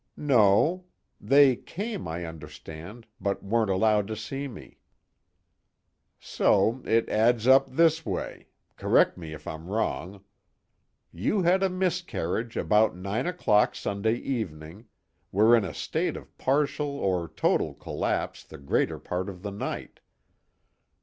"No. They came, I understand, but weren't allowed to see me." "So it adds up this way correct me if I'm wrong: you had a miscarriage about nine o'clock Sunday evening, were in a state of partial or total collapse the greater part of the night.